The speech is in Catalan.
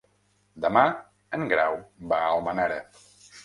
Demà en Grau va a Almenara.